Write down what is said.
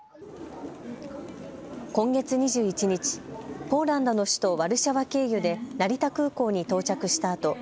今月２１日、ポーランドの首都ワルシャワ経由で成田空港に到着したあと